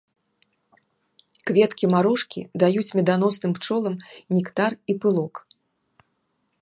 Кветкі марошкі даюць меданосным пчолам нектар і пылок.